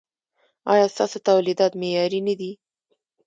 ایا ستاسو تولیدات معیاري نه دي؟